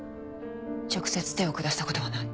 直接手を下したことはない。